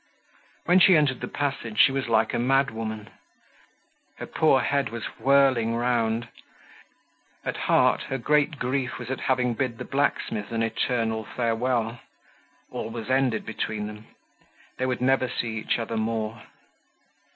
When she entered the passage she was like a mad woman. Her poor head was whirling round. At heart her great grief was at having bid the blacksmith an eternal farewell. All was ended between them; they would never see each other more.